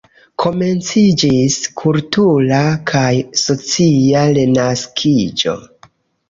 Komenciĝis kultura kaj socia renaskiĝo.